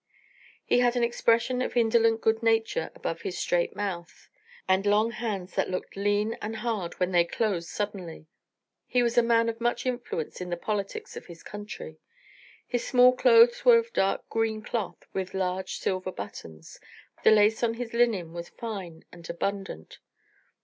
He had an expression of indolent good nature above his straight mouth, and long hands that looked lean and hard when they closed suddenly. He was a man of much influence in the politics of his country. His small clothes were of dark green cloth with large silver buttons, the lace on his linen was fine and abundant.